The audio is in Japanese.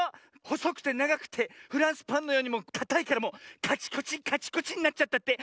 ほそくてながくてフランスパンのようにかたいからもうカチコチカチコチになっちゃったって。